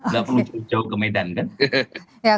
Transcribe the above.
gak perlu jauh jauh ke medan kan